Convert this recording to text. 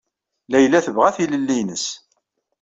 Layla tebɣa tilelli-nnes.